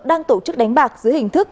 đang tổ chức đánh bạc dưới hình thức